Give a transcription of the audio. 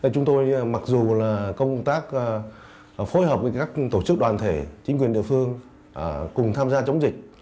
chúng tôi mặc dù là công tác phối hợp với các tổ chức đoàn thể chính quyền địa phương cùng tham gia chống dịch